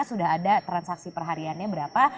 sudah ada transaksi perhariannya berapa